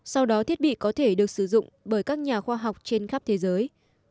sau đó thiết bị có thể được sử dụng bởi các nhà khoa học trên khắp thế giới